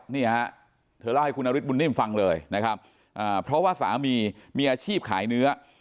นี่ฮะเธอเล่าให้คุณนฤทธบุญนิ่มฟังเลยนะครับเพราะว่าสามีมีอาชีพขายเนื้อ